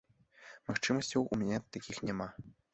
Магчымасцяў у мяне такіх няма.